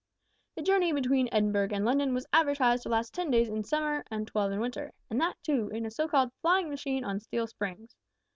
The journey between Edinburgh and London was advertised to last ten days in summer, and twelve in winter, and that, too, in a so called `flying machine on steel springs.'